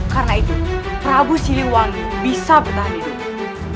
karena itu prabu siliwangi bisa bertahan hidup